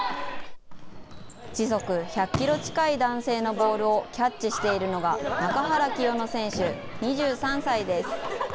時速１００キロ近い男性のボールをキャッチしているのが、中原聖乃選手２３歳です。